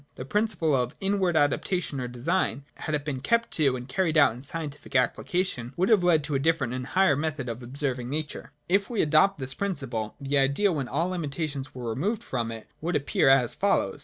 The prin ciple of inward adaptation or design, had it been kept to and carried out in scientific application, would have led to a different and a higher method of observing nature. 59.] If we adopt this principle, the Idea, when all limitations were removed from it, would appear as follows.